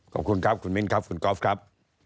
ขอบคุณครับคุณมิ้นครับคุณกอล์ฟครับ